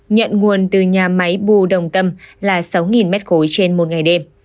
nhận nguồn từ nhà máy bù đồng tâm là sáu m ba trên một ngày đêm